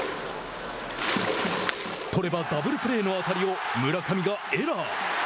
捕ればダブルプレーの当たりを村上がエラー。